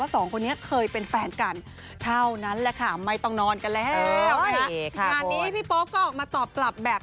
ตอนนี้พี่โป๊ะก็ออกมาตอบกลับแบบ